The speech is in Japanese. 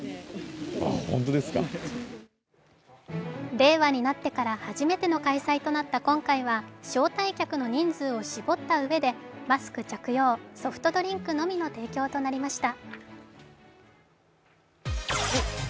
令和になってから初めての開催となった今回は招待客の人数を絞ったうえでマスク着用、ソフトドリンクのみの提供となりました。